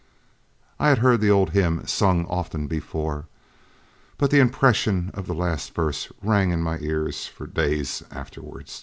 I had heard the old hymn sung often before, but the impression of the last verse rang in my ears for days afterward.